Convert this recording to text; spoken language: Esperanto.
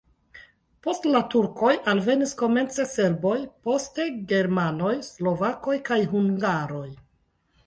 Post la turkoj alvenis komence serboj, poste germanoj, slovakoj kaj hungaroj.